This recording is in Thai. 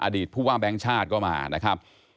ผู้ว่าแบงค์ชาติก็มานะครับ